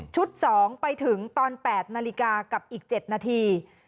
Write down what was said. ๒ไปถึงตอน๘นาฬิกากับอีก๗นาที